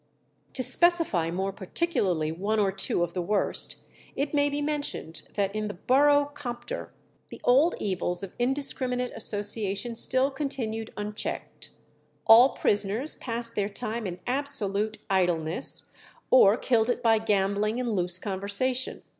To specify more particularly one or two of the worst, it may be mentioned that in the Borough Compter the old evils of indiscriminate association still continued unchecked. All prisoners passed their time in absolute idleness, or killed it by gambling and loose conversation.